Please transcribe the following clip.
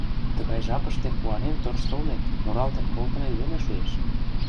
Тыгай жапыште куанен тӧрштылмет, муралтен колтымет веле шуэш: